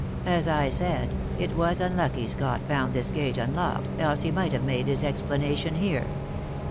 As I said, it was unlucky Scott found this gate unlocked, else he might have made his explanation here."